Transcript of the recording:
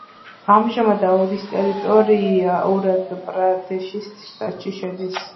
ამჟამად, აუდის ტერიტორია უტარ-პრადეშის შტატში შედის.